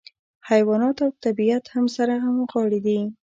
حیوانات او طبیعت هم سره همغاړي دي.